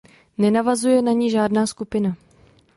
Nenavazuje na ni žádná skupina.